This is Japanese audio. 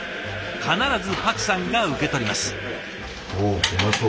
必ずパクさんが受け取ります。